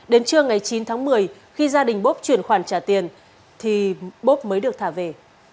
đến trưa ngày chín tháng một mươi khi gia đình bốp chuyển khoản trả tiền thì bốp mới được thả về